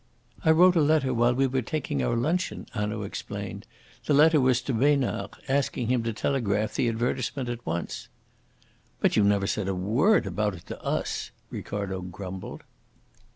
"I wrote a letter while we were taking our luncheon," Hanaud explained. "The letter was to Besnard, asking him to telegraph the advertisement at once." "But you never said a word about it to us," Ricardo grumbled.